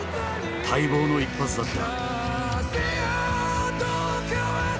待望の一発だった。